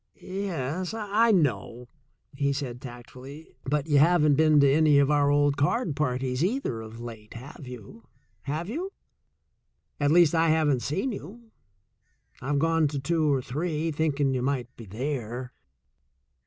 "Yes, I know," he said tactfully. "But you haven't been to any of our old card parties either of late, have you? At least, I haven't seen you. I've gone to two or three, thinking you might be there."